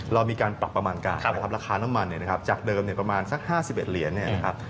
เรามีการปรับประมาณการนะครับราคาน้ำมันจากเดิมประมาณสัก๕๑เหรียญนะครับ